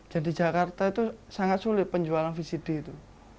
jadi di jakarta itu sangat sulit penjualan vcd itu